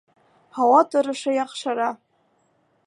Һауа торошо яҡшыра